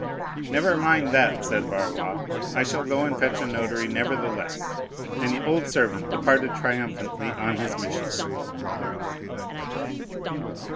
"Never mind that," said Barrois; "I shall go and fetch a notary, nevertheless." And the old servant departed triumphantly on his mission.